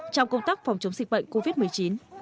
trong công tác phòng chống dịch bệnh covid một mươi chín